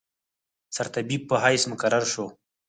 سرطبیب په حیث مقرر شو.